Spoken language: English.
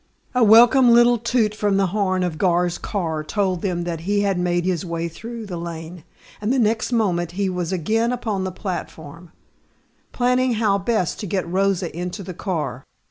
A welcome little toot from the horn of Gar's car told them that he had made his way through the lane, and the next moment he was again upon the platform, planning how best to get Rosa into the car.